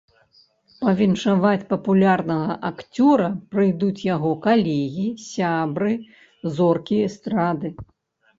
Павіншаваць папулярнага акцёра прыйдуць яго калегі, сябры, зоркі эстрады.